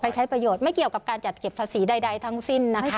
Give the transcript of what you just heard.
ใช้ประโยชน์ไม่เกี่ยวกับการจัดเก็บภาษีใดทั้งสิ้นนะคะ